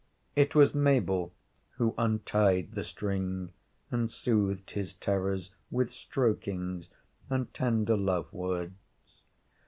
It was Mabel who untied the string and soothed his terrors with strokings and tender love words.